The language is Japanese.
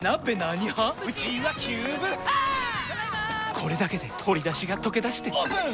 これだけで鶏だしがとけだしてオープン！